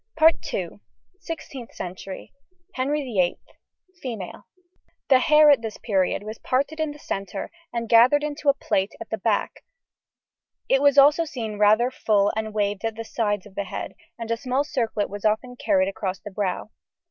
SIXTEENTH CENTURY. HENRY VIII. FEMALE. The hair at this period was parted in the centre and gathered into a plait at the back; it was also seen rather full and waved at the sides of the head, and a small circlet was often carried across the brow.